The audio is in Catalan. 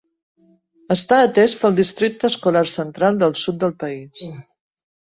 Està atès pel districte escolar central del sud del país.